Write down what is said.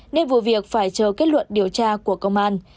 nên vụ việc phải chờ kết luận điều tra của công an